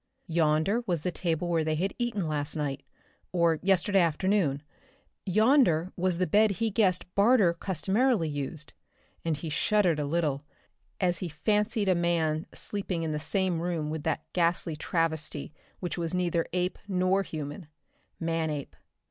Yonder was the table where they had eaten last night, or yesterday afternoon. Yonder was the bed he guessed Barter customarily used, and he shuddered a little as he fancied a man sleeping in the same room with that ghastly travesty which was neither ape nor human Manape.